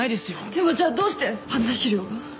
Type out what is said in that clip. でもじゃあどうしてあんな資料が。